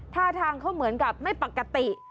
ท่าทางเขาเหมือนกับไม่ปกติ